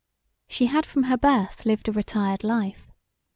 She had from her birth lived a retired life.